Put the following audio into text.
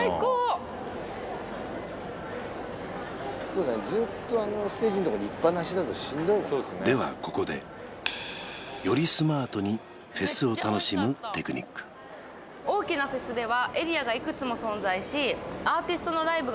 そうだねずっとステージのとこにいっぱなしだとしんどいもんねではここでよりスマートにフェスを楽しむテクニックえどうしよう半分に割ればいいですか？